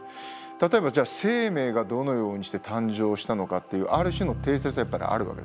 例えばじゃあ生命がどのようにして誕生したのかっていうある種の定説はやっぱりあるわけです。